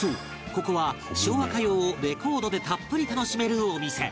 ここは昭和歌謡をレコードでたっぷり楽しめるお店